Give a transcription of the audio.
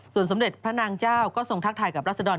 ส่วนสมเด็จพระนางเจ้าก็ทรงทักทายกับรัศดร